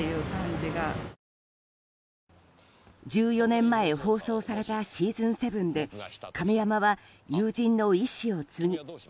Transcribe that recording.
１４年前放送されたｓｅａｓｏｎ７で亀山は友人の遺志を継ぎ